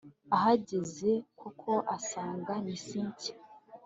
ahageze koko asanga ni cyntia